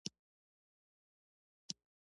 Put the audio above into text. دوی د ډبرو سکرو انرژي کاروي.